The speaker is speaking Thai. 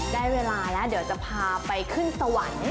ได้เวลาแล้วเดี๋ยวจะพาไปขึ้นสวรรค์